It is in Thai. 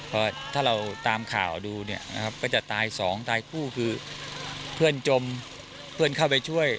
พอถ้าเราตามข่าวดูเนี่ยนะครับก็จะตายสองตายคู่คือเพื่อนจมเพื่อนเข้าไปช่วย